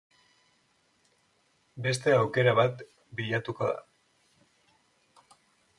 Beste aukera bat bilatuko da.